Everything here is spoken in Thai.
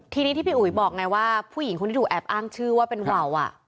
ทีนี้ที่พี่อุ๋ยบอกไงว่าผู้หญิงคนที่ถูกแอบอ้างชื่อว่าเป็นวาว